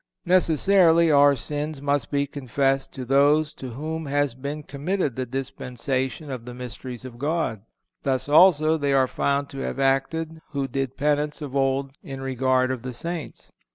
"Necessarily, our sins must be confessed to those to whom has been committed the dispensation of the mysteries of God. Thus, also, are they found to have acted who did penance of old in regard of the saints.